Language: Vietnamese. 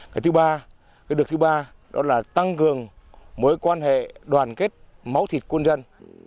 cái thứ ba cái đợt thứ ba đó là tăng cường mối quan hệ đoàn kết máu thịt quân dân